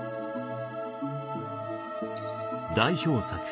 代表作